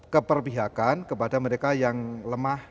keperpihakan kepada mereka yang lemah